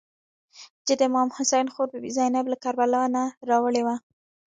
چې د امام حسین خور بي بي زینب له کربلا نه راوړې وه.